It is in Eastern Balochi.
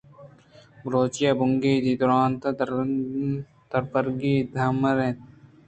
بلوچی ءِ بنگیجی درونت ءُ دربرگی تامُر اَنت